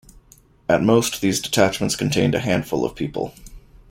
At most these detachments contained a handful of people.